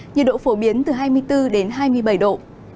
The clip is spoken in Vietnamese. nhiệt độ phổ biến từ hai mươi bốn đến hai mươi bảy độ